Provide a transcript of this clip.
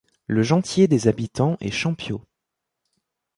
Le gentilé des habitants est Champiots.